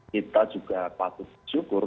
kita juga patut syukur